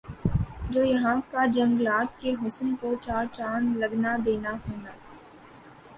جو یَہاں کا جنگلات کےحسن کو چار چاند لگنا دینا ہونا